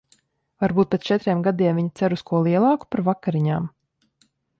Varbūt pēc četriem gadiem viņa cer uz ko lielāku par vakariņām?